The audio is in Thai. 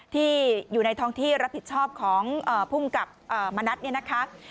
ที่อยู่ในท้องที่รับผิดชอบของผู้กำกับมณัฐรุ่นนาค